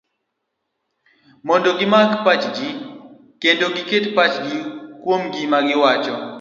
mondo gimak pach ji, kendo giket pachgi kuom gima negiwacho